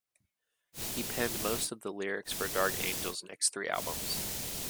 He penned most of the lyrics for Dark Angel's next three albums.